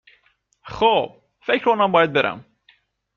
خوب ، فکر کنم باید برم